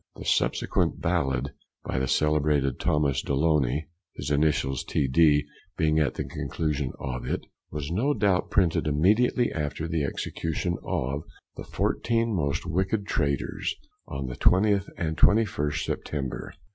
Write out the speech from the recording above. The subsequent ballad, by the celebrated Thomas Deloney, (his initials T.D. being at the conclusion of it) was no doubt printed immediately after the execution of the "fourteen most wicked traitors," on the 20th and 21st September.